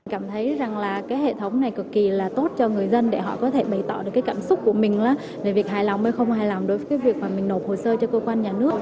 cảm thấy rằng là cái hệ thống này cực kỳ là tốt cho người dân để họ có thể bày tỏ được cái cảm xúc của mình về việc hài lòng hay không hài lòng đối với cái việc mà mình nộp hồ sơ cho cơ quan nhà nước